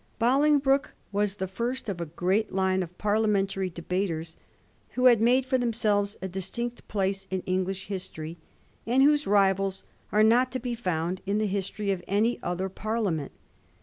Bolingbroke was the first of a great line of parliamentary debaters who have made for themselves a distinct place in English history, and whose rivals are not to be found in the history of any other parlia ment.